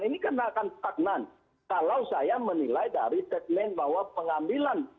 ini kan akan stagnan kalau saya menilai dari statement bahwa pengambilan